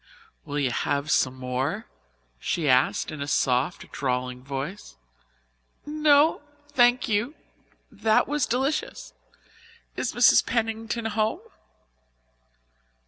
"Will you have some more?" she asked in a soft, drawling voice. "No, thank you. That was delicious. Is Mrs. Pennington home?"